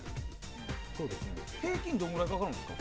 平均どれぐらいかかるんですか？